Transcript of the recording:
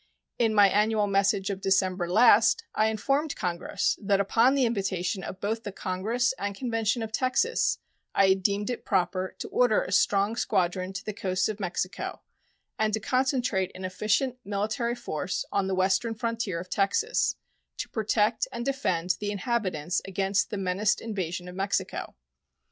In my annual message of December last I informed Congress that upon the invitation of both the Congress and convention of Texas I had deemed it proper to order a strong squadron to the coasts of Mexico and to concentrate an efficient military force on the western frontier of Texas to protect and defend the inhabitants against the menaced invasion of Mexico.